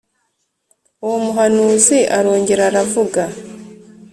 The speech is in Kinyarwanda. Uwo muhanuzi arongera arvuga